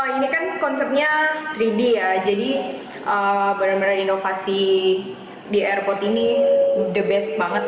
ini kan konsepnya tiga d ya jadi benar benar inovasi di airport ini the best banget